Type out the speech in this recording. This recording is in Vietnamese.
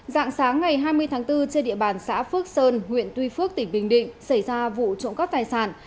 dạng sáng ngày hai mươi tháng bốn trên địa bàn xã phước sơn huyện tuy phước tỉnh bình định xảy ra vụ trộm cắp tài sản